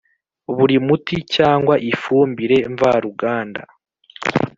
Buri muti cyangwa ifumbire mvaruganda